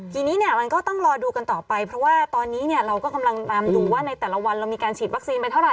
ทีนี้เนี่ยมันก็ต้องรอดูกันต่อไปเพราะว่าตอนนี้เนี่ยเราก็กำลังตามดูว่าในแต่ละวันเรามีการฉีดวัคซีนไปเท่าไ